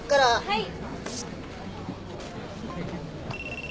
はい。